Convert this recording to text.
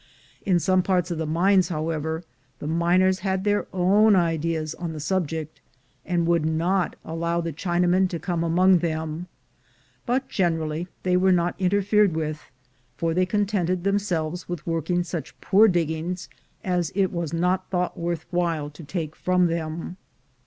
In some parts of the mines, however, the miners had their own ideas on the subject, and would not allow the Chinamen to come among them; but generally they were not interfered with, for they con tented themselves with working such poor diggings as it was not thought worth while to take from them.